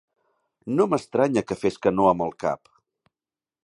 No m'estranya que fes que no amb el cap!